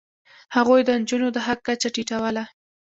هغوی د نجونو د حق کچه ټیټوله.